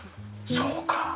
そうか。